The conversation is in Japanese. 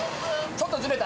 ちょっとズレた。